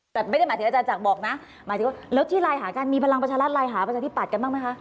แต่ไม่ได้หมายถึงอาจารย์จักรบอกนะหมายถึงว่าแล้วที่ไลน์หากันมีพลังประชารัฐไลน์หาประชาธิปัตย์กันบ้างไหมคะ